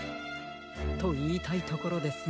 といいたいところですが。